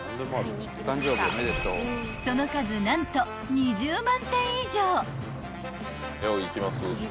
［その数何と２０万点以上］